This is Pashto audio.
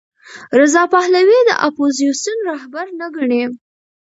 رضا پهلوي د اپوزېسیون رهبر نه ګڼي.